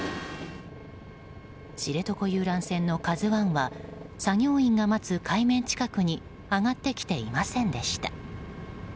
知床遊覧船の「ＫＡＺＵ１」は作業員が待つ海面近くに上がってきていませんでした。